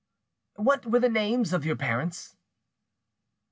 "What were the names of your parents?"